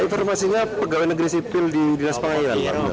informasinya pegawai negeri sipil di dinas pengadilan